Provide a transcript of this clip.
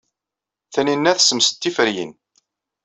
Tanina tessemsed tiferyin.